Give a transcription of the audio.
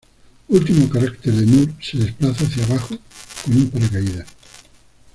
Último carácter de Moore se desplaza hacia abajo con un paracaídas.